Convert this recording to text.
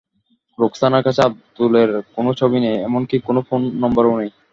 রোখসানার কাছে আবদুলের কোনো ছবি নেই, এমনকি কোনো ফোন নম্বরও নেই।